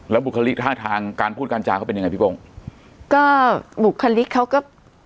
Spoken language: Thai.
บุคลิกท่าทางการพูดการจาเขาเป็นยังไงพี่ป้องก็บุคลิกเขาก็